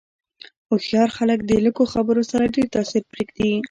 هوښیار خلک د لږو خبرو سره ډېر تاثیر پرېږدي.